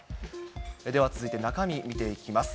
では続いて、中身見ていきます。